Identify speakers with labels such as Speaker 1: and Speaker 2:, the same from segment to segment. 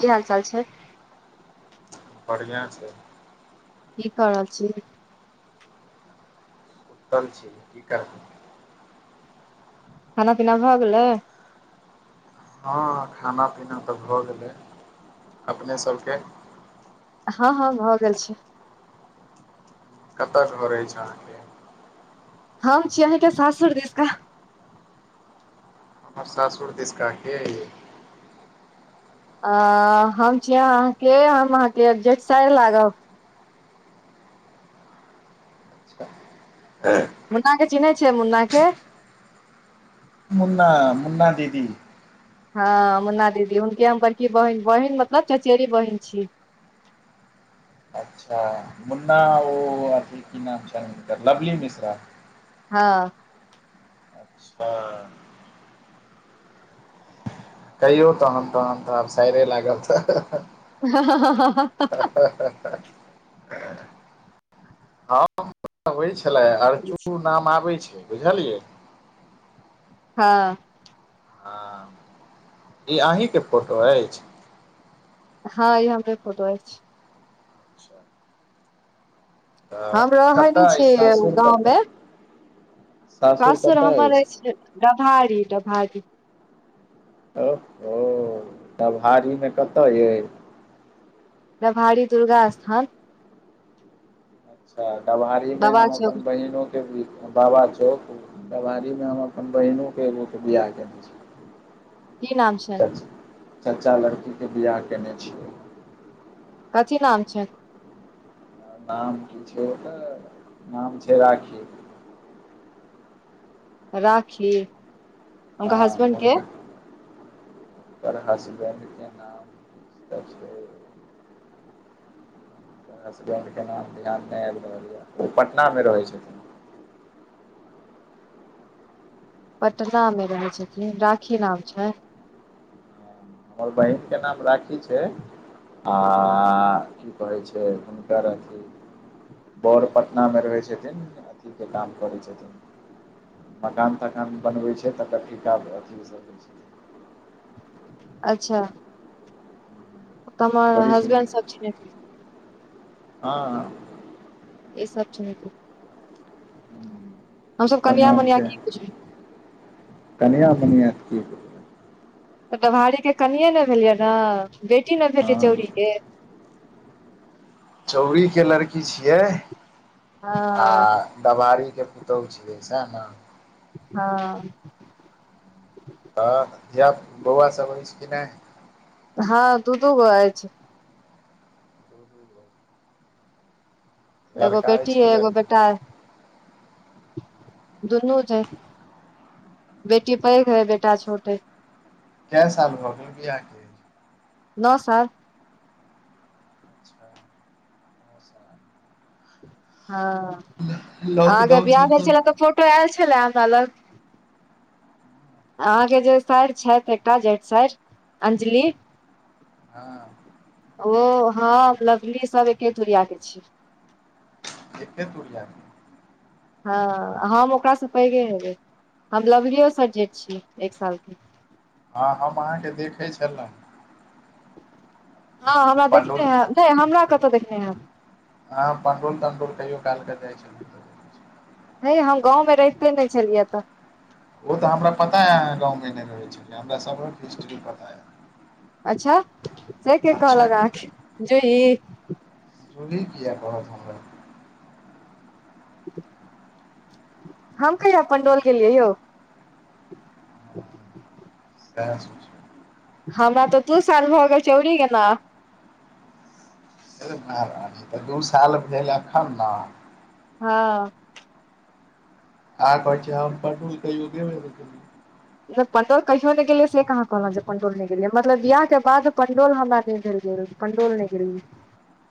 Speaker 1: की हाल चाल छै?
Speaker 2: बढ़िआँ छै।
Speaker 1: की क रहल छी?
Speaker 2: सुतल छी, की करब?
Speaker 1: खाना पीना भ गेलै?
Speaker 2: हँ खाना पीना तऽ भऽ गेलै, अपने सबके
Speaker 1: हँ हँ भऽ गेल छै।
Speaker 2: कतऽ घर अइछ अहांके?
Speaker 1: हम छि अहिंके सासुर दिस का।
Speaker 2: और सासुर दिसका के यैऽ?
Speaker 1: अ, हम छी अहाँके हम अहाँकेजेठसाइर लागब।
Speaker 2: ए-
Speaker 1: मुन्नाा के चिन्है छियै मुन्ना के?
Speaker 2: मुन्ना, मुन्ना दीदी।
Speaker 1: हँ मुन्ना दीदी हुनके हम बड़की बहिन बहिन मतलब चचेरी बहिन छी।
Speaker 2: अच्छा मुन्ना ओ अथी की नाम छैन हुनकर लवली मिश्रा।
Speaker 1: हँ
Speaker 2: ह कहियौ तहन तहन त आब साइरे लागब त ह ह।
Speaker 1: ह ह ह ह ह
Speaker 2: ह ह अबै छलै अर्चू नाम आबै छै बुझलियै
Speaker 1: हँ
Speaker 2: हां ई अहीं के फोटो अइछ?
Speaker 1: हँ ई हमरे फोटो अइछ।
Speaker 2: तऽ
Speaker 1: हम रहै नै
Speaker 2: कतऽ अइ
Speaker 1: छीयै
Speaker 2: सासुर कतऽ
Speaker 1: गाँवमे सासुर
Speaker 2: कतय
Speaker 1: हमर
Speaker 2: अछि
Speaker 1: अइछ डभारी डभारी।
Speaker 2: ओ हो डभारी मे कतऽ यइ?
Speaker 1: डभाड़ी दुर्गा स्थान।
Speaker 2: अच्छा डभारी में
Speaker 1: बाबा
Speaker 2: हम
Speaker 1: चौक
Speaker 2: अपन बहिनो [unintelligible] बाबा चौक डभारीमे हम अपन बहिनोके एगोके बियाह केने छी।
Speaker 1: की नाम छैन?
Speaker 2: चच्चा लड़की के बियाह केने छियै।
Speaker 1: कथी नाम छै?
Speaker 2: नाम की छै ओकर नाम छै राखी।
Speaker 1: राखी आ उनका हसबेंड के?
Speaker 2: ओकर हसबेंड के नाम किछ त छै ओकर हसबेंड के नाम ध्यान नै आइब रहल यै ओ पटना मे रहै छथिन।
Speaker 1: पटना मे रहै छथिन राखी नाम छैन।
Speaker 2: हमर बहिन के नाम राखी छै आ की कहै छै हुनकर अथी बर पटनामे रहै छथिन अथीके काम करै छथिन मकान तकान बनबै छै तकर ठीका अथी सब लै [unintelligible]
Speaker 1: अच्छा त हमर
Speaker 2: बड़ी सुन
Speaker 1: हसबेंड सब चिन्हैत
Speaker 2: हँ
Speaker 1: ई सब चिन्हैत हेथिन, हमसब
Speaker 2: इसका
Speaker 1: कनियां
Speaker 2: नाम
Speaker 1: मनियां
Speaker 2: छै
Speaker 1: की बुझबै
Speaker 2: कनिया मनियास कि हेतै?
Speaker 1: तऽ डभारी के कनिये ने भेलियै न बेटी न भेलीयै
Speaker 2: हँ
Speaker 1: चौड़ीके।
Speaker 2: चौरीके लड़की छियै
Speaker 1: हँ
Speaker 2: आ डभारीके पुतौहु छियै सैह न?
Speaker 1: हँ
Speaker 2: तऽ धियाप बौआ सब अइछ कि नै?
Speaker 1: हँ दु दुगो अइछ।
Speaker 2: [inaudible]
Speaker 1: एगो
Speaker 2: लड़का
Speaker 1: बेटी
Speaker 2: अछि
Speaker 1: अइ
Speaker 2: कि
Speaker 1: एगो बेटा
Speaker 2: लड़की
Speaker 1: अइ दुनू छै। बेटी पैघ अइ बेटा छोट अइ।
Speaker 2: कै साल भऽ गेल वियाहके?
Speaker 1: नओ साल
Speaker 2: अच्छा [inaudible]
Speaker 1: हां अहाँके
Speaker 2: लॉकडाउन
Speaker 1: बियाह
Speaker 2: सब
Speaker 1: भेल छलए तऽ फोटो आयल छलए हमरा लगि। अहाँके जे सायर छथि एकटा जेठ सायर अंजली
Speaker 2: हां
Speaker 1: ओ हम लवली सब एके तुरिया के छियै।
Speaker 2: एके तुरियाके
Speaker 1: हां हम ओकरासे पैघे हेबै, हम लवलियो से जेठ छी एक सालके।
Speaker 2: हां हम अहाँके देखै छलहुँ।
Speaker 1: हां हमरा
Speaker 2: पंडौल
Speaker 1: देखने हेव नै हमरा कतअ देखने हेव
Speaker 2: अहाँ पंडोल-तंडौल कहियो काल कऽ जाइ छलहुँ।
Speaker 1: हैय हम गाँवमे रहिते नै छलियै तऽ।
Speaker 2: उ तऽ हमरा पता हेय अहां गाँवमे नै रहै छलियै हमरा सब
Speaker 1: अच्छा से के
Speaker 2: अच्छा
Speaker 1: कहलक अहांके जे ई
Speaker 2: जूली किआ कहत हमरा
Speaker 1: हम कहिया पंडौल गेलिये यौ।
Speaker 2: सेह सोचिओ।
Speaker 1: हमरा तऽ दू साल भऽ गेल छलै उरी गेलाह।
Speaker 2: है महराज तऽ दू साल भेल अखन ने
Speaker 1: हां
Speaker 2: अहां कहै छियै, हम पंडौल कहियौ गेबै नै केलिए।
Speaker 1: पंडौल कहियो नै गेलियै से कहाँ कहलौ जे पंडौल नै गेलियै मतलब बियाहके बाद पंडौल हमरा नै भेल गेल। पंडौल नै गेलियै।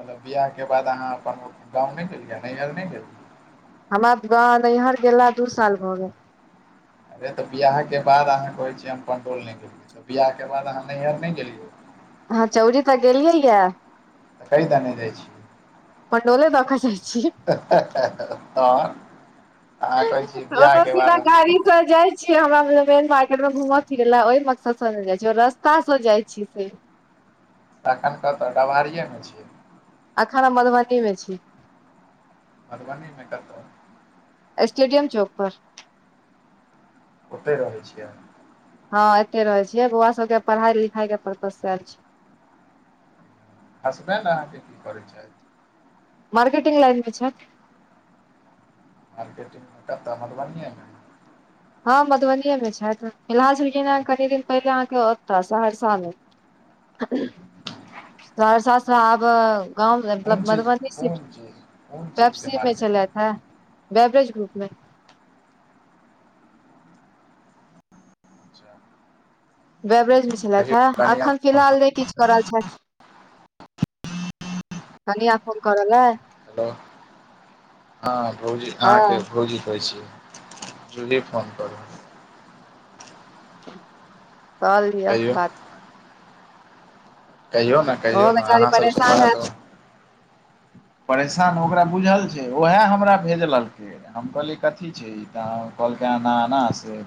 Speaker 2: मतलब बियाहके बाद अहाँ अपन गांव नै गेलियै नैहर नै गेलियै।
Speaker 1: हमरा गाँव नैहर गेला दू साल भऽ गेलै।
Speaker 2: अरे तऽ बियाहके बाद अहाँ कहै छियै, हम पंडौल नै गेलियै तऽ बियाहके बाद अहाँ नैहर नै गेलियै।
Speaker 1: हां चा चौरी तऽ गेलियै यए।
Speaker 2: तऽ कै दैने जाइ छियै।
Speaker 1: पंडौले देका जाइ छियै।
Speaker 2: त अह तहन कहै छियै, बिआह के बाद हम
Speaker 1: तैर जाइ छियै, हमरा मेन मार्केट में घूमय फिरे ल ओहि मकसद से नै जाइ छियै, रस्ता से जाय छियै से
Speaker 2: तखन कता डामारियएमे छियै।
Speaker 1: अखन हम मधुबनीमे छी।
Speaker 2: मधबनीमे कत्ता
Speaker 1: स्टेडियम चौक पर
Speaker 2: ओतहि रहैय छियै।
Speaker 1: हां एते रहे छियै, बौआ सभ के पढ़ाई-लिखाई के परपसल से आयल छियै।
Speaker 2: हसबैंड अहाँके कि करै छथि।
Speaker 1: मार्केटिंग लाइन में छैय।
Speaker 2: मार्केटिंग में कतय मधुबनिएमे
Speaker 1: हां मधुबनिएमे छथि, फिलहाल चल गेलै कनि दिन पहिले अहाँके ओतय सहरसामे सहरसा से आब गाँवमे
Speaker 2: कोन
Speaker 1: मतलब
Speaker 2: चीज
Speaker 1: मधुबनी
Speaker 2: कोन
Speaker 1: सिफ्ट
Speaker 2: चीज कोन चीजके
Speaker 1: वपसी मे
Speaker 2: मार्केटिंग
Speaker 1: छलथि। हँ बैबरेज ग्रुप मे
Speaker 2: अच्छा
Speaker 1: बैवरेजमे छलथि हेँ एखन
Speaker 2: फोन करू।
Speaker 1: फिलहाल नहि किछ करल छथि कनिया फोन कऽ रहले
Speaker 2: हेलो हँ भौजी अहाँके
Speaker 1: हँ
Speaker 2: भौजी कहै छी जूली फोन कऽ रहल अए
Speaker 1: कऽ लिय
Speaker 2: कहियौ
Speaker 1: बात
Speaker 2: कहियौ नऽ कहियौ
Speaker 1: ओहो
Speaker 2: नऽ
Speaker 1: बेचारी
Speaker 2: अहाँसब सऽ
Speaker 1: परेशान
Speaker 2: बाद ओ
Speaker 1: हैत
Speaker 2: परेशान ओकरा बुझल छै। ओहे हमरा भेजलकै हम कहलियै कथी छै। ई तऽ कहलकै एना एना से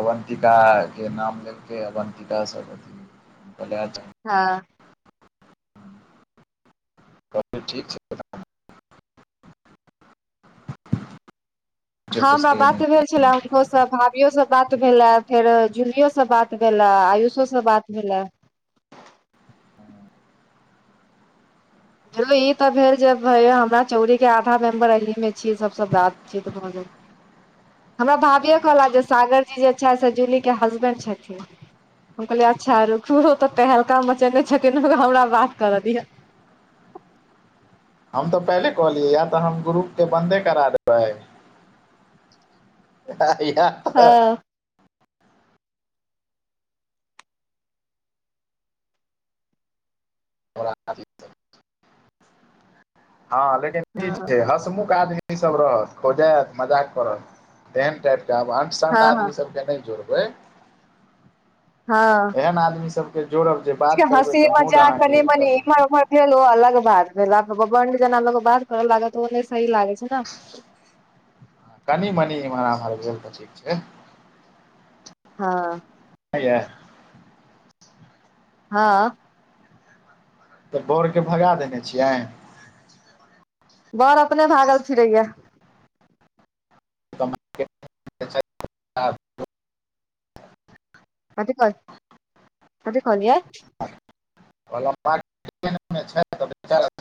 Speaker 2: अवन्तिका के नाम लेके अवन्तिका सऽ बति हम कहलिये अच्छा
Speaker 1: हँ
Speaker 2: [unintelligible] ठीक छै छै
Speaker 1: हँ हमरा
Speaker 2: पूछके।
Speaker 1: बात भेल छैला आकरो सँ भाभियोसँ बात भेलए फेर जूलियोसँ बात भेलए आयुषोसँ बात भेलए ह ई तऽ भेल जे भईया हमरा चौउड़ी के आधा मेम्बर अहि में छीे सब बात-चित भऽ गेल हमरा भाभिये कहला जे सागर जी जे छै। से जूली के हसबेंड छथिन हम कहलियै अच्छा रुखू ओतऽ तैहलका मचेने छेथिन हमरा बात करऽ दिय
Speaker 2: हम तऽ पहले कहलियै या तऽ हम ग्रुप के बंन्दे करा देबै आ या तऽ
Speaker 1: हँ
Speaker 2: हँ लेकिन ई
Speaker 1: हँ
Speaker 2: छै। हसमुख आदमी सब रहत खोजैत मजाक करत तेहन टाइप के आब सबटा
Speaker 1: हँ हँ
Speaker 2: आदमी सबके नहि जोड़बै
Speaker 1: हँ
Speaker 2: एहन आदमी सब के जोड़ब जे बात करबे
Speaker 1: हँसी
Speaker 2: ते मूड
Speaker 1: मजाक
Speaker 2: अहाँ
Speaker 1: कनि इमर-उमर भेल ओ अलग बात भेल आब बबनड जेना लोक बात कर लागत ओ सही लागे छै। टच
Speaker 2: कनि-मनी इम्हर-आम्हर भेल तऽ ठीक छै।
Speaker 1: हँ
Speaker 2: हऽ यै
Speaker 1: हँ
Speaker 2: तऽ बोउड़ के भगा देने छियेन
Speaker 1: बोड़ अपने भागल फिड़ैयै
Speaker 2: तऽ [unintelligible]
Speaker 1: कथि पर कथि कहलिए
Speaker 2: [unintelligible]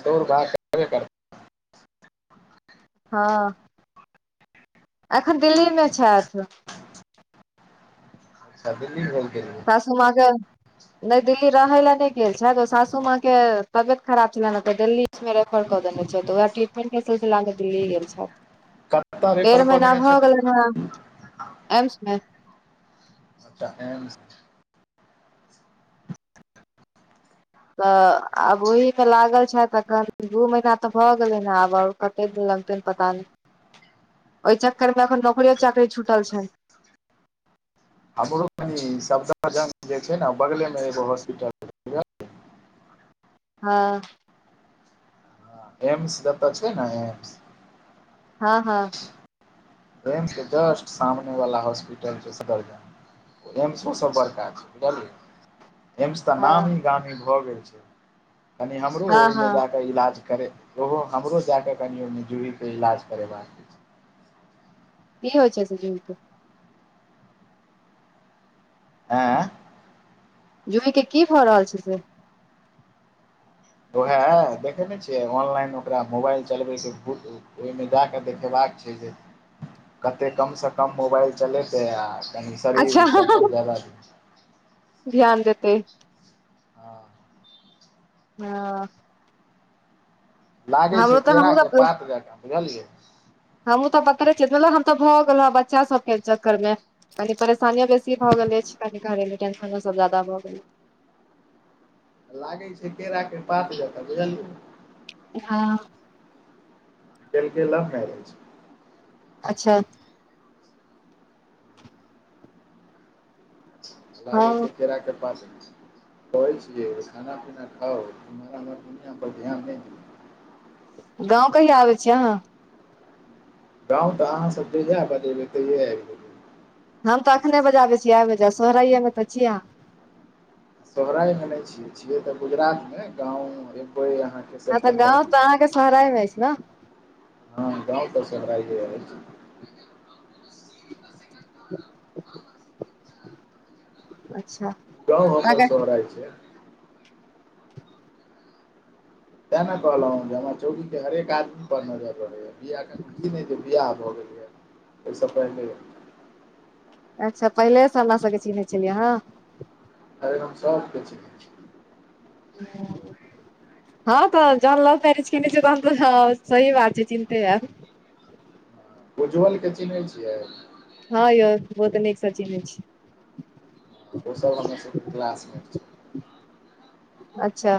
Speaker 2: दौड़ भाग करबै कर
Speaker 1: हँ अखन दिल्ली मे छैथ
Speaker 2: अच्छा दिल्ली गेलखिन है
Speaker 1: बस हम अहाके नहि दिल्ली रहै लए नहि गेल छैथ ओ सासू माँ के तबियत खराब छले ने तऽ दिल्ली एम्स मे रेफर कऽ देने छै त वैह ट्रीटमेंट के सिलसिला मे दिल्ली गेल छैथ
Speaker 2: कतऽ रेफर
Speaker 1: डेड़ऽ
Speaker 2: कऽ
Speaker 1: महिना
Speaker 2: देने
Speaker 1: भऽ
Speaker 2: छथिन
Speaker 1: गेलन है एम्स मे
Speaker 2: सबटा एम्स
Speaker 1: तऽ आब ओहि पर लागल छथि अखन दू महीना तऽ भऽ गेलैन्ह आब कते दिन लगतै ने पता नहि ओहि चक्कर मे अखन नौकरियो चाकरी छुटल छन
Speaker 2: हमरो [unintelligible] सफदरजंग जे छै ने बगले में एगो हॉस्पिटल
Speaker 1: हँ
Speaker 2: एम्स जतऽ छै ने
Speaker 1: हँ हँ
Speaker 2: एम्स के जस्ट सामने वाला हॉस्पिटल छै सफदरजंग एम्स मे सब बड़का छै बुझलियै एम्स तऽ
Speaker 1: हँ
Speaker 2: नामी गामी भऽ गेल छै कनि हमरो
Speaker 1: हँ
Speaker 2: ओहिमे
Speaker 1: हँ
Speaker 2: जाकऽ इलाज करै ओहो हमरे जाकऽ कनि ओ जूहीके इलाज करेबाक अछि
Speaker 1: की होय से छै जे जुही के
Speaker 2: आँ
Speaker 1: जुहि के की भऽ रहल छै से
Speaker 2: ओहे देखय नय छियै ऑनलाइन ओकरा मोबाइल चलबे के भूत ओहिमे जा कऽ देखेबाक छै जे कतेक कमसँ कम मोबाइल चलेतै आ कनि
Speaker 1: अच्छा
Speaker 2: शरीर सभपर जादा
Speaker 1: ध्यान देतै
Speaker 2: हँ
Speaker 1: हँ
Speaker 2: लागै
Speaker 1: हमरो
Speaker 2: छै
Speaker 1: तऽ हमहूँ
Speaker 2: केराके पात जेकां बुझलियै
Speaker 1: हमहूं तऽ पतरे छियै बुझलौं हम तऽ भऽ गेल ह बच्चा सब के चक्कर मे कनी परेशानियो बेसी भऽ गेले अछि कनि घरेलू टेंशनो सब ज्यादा भऽ गेल अय
Speaker 2: लागै छै केराके पात जेकां बुझलियै
Speaker 1: हँ
Speaker 2: केलकै लव मैरेज
Speaker 1: अच्छा
Speaker 2: लागे
Speaker 1: हँ
Speaker 2: छै केराके पात सनके कहय छियै खाना पीना खाउ इम्हर इम्हर दुनिया पर ध्यान नहि दियौ
Speaker 1: गाँव कहिया आबै छीयै अहाँ
Speaker 2: गाँव तऽ अहाँ सब जहिया बजेबै तहिया आबि जेबय
Speaker 1: हम तऽ अखने बजाबै छी आबि ने जाउ सोहरायएमे तऽ छी आँहा
Speaker 2: सोहरायएमे नहि छियै छियै तऽ गुजरात मे गाँव ऐबय अहाँ
Speaker 1: हँ तऽ गाँव तऽ अहाँके सोहराय मे अछि ने
Speaker 2: हँ गाँव त सोहराये अछि
Speaker 1: [unintelligible] अच्छा
Speaker 2: गाँव हमर
Speaker 1: अहाँके
Speaker 2: सोहराय छै तैं ने कहलौं जे हमरा चौरी के हरेक आदमी पर नजर रहयए बिआ कनी ई नहि जे बिआह भऽ गेलैया ओहिसँ पहिनलेये
Speaker 1: अच्छा पहिलेसँ हमरा सभके चिन्है छलियै अहाॅं
Speaker 2: ताॅंय हम सबके चिन्है छी
Speaker 1: ह [unintelligible] हँ तऽ जहन लव मैरिज केने छियै तहन तऽ सही बात छै चिन्हते हैब
Speaker 2: उज्ज्वल के चिन्है छियै
Speaker 1: हँ यौ बहुत नीक सऽ चिन्है छियै
Speaker 2: ओ सब हमर सबके क्लासमेट छियै
Speaker 1: अच्छा।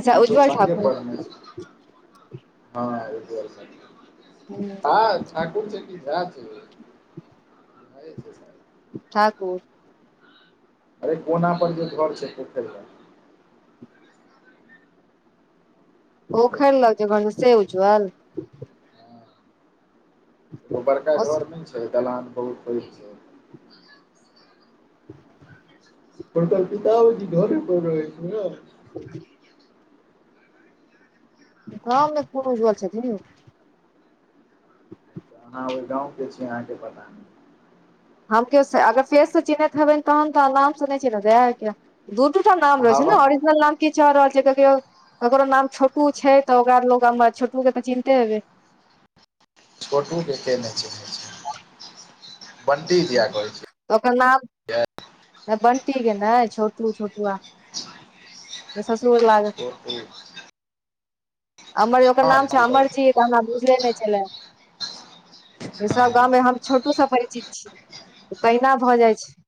Speaker 1: अच्छा
Speaker 2: हमसब
Speaker 1: उज्ज्वल
Speaker 2: सङ्गे
Speaker 1: ठाकुर।
Speaker 2: पढ़ने छी हँ उज्जवल ठाकुर।
Speaker 1: ह
Speaker 2: हँ ठाकुर छियै कि झा छी यौ? झाए छियै शायद।
Speaker 1: ठाकुर।
Speaker 2: अरे कोना पर जे घर छै पोखरि लग। लग
Speaker 1: पोखरि लग जे घर छै से उज्जवल?
Speaker 2: गो बड़का घर नै छै दलान बहुत पैघ छै।
Speaker 1: [unintelligible]
Speaker 2: हुनकर पिताओजी घरे पर रहै छथिन ने।
Speaker 1: ह गाम मे कोन उज्जवल छथिन यौ?
Speaker 2: अहां ओहि गाँव के छी अहाँ के पता नै।
Speaker 1: हम केयो से अगर पेस से चिन्हैत हेबनि तहन तऽ आलाम सँ नै चिन्हबै। दू- टू टा नाम रहै छै
Speaker 2: हवा
Speaker 1: ने ऑरिजनल नाम किछ और रहल छै ककरो नाम छोटू छै तऽ ओकरा लोक गाम म छोटू के तऽ चिन्हते हेबै।
Speaker 2: छोटू के, के ने चिन्है छै। बंटी दीया कहै छियै।
Speaker 1: तऽ ओकर नाम बंटी के नै छोटू- छोटुवा। जे ससुर लग
Speaker 2: [unintelligible] छोटू।
Speaker 1: अमर ओकर नाम छै
Speaker 2: हँ
Speaker 1: अमर जी तऽ हमरा बुझले नै छले। सब गाम मे हम छोटू सँ परिचित छी तहिना भऽ जाइ छै।